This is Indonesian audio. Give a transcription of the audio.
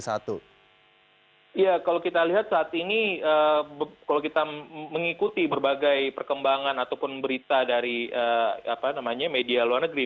ya kalau kita lihat saat ini kalau kita mengikuti berbagai perkembangan ataupun berita dari media luar negeri